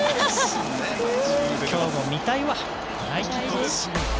今日も見たいわ！